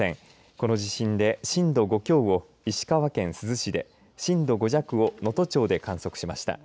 この地震で震度５強を石川県珠洲市で震度５弱を能登町で観測しました。